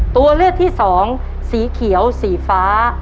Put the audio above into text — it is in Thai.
ตัวเลือกที่สองสีเขียวสีฟ้า